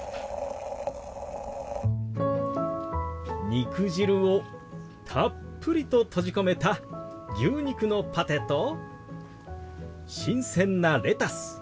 肉汁をたっぷりと閉じ込めた牛肉のパテと新鮮なレタス。